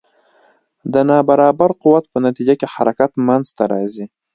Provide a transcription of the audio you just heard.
د نا برابر قوت په نتیجه کې حرکت منځته راځي.